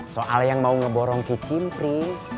soal yang mau ngeborong ke cimpri